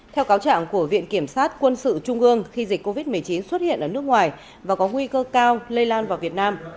theo cáo trạng của viện kiểm sát quân sự trung ương khi dịch covid một mươi chín xuất hiện ở nước ngoài và có nguy cơ cao lây lan vào việt nam